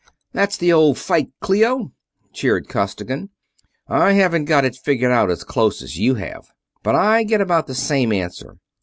"That's the old fight, Clio!" cheered Costigan. "I haven't got it figured out as close as you have, but I get about the same answer.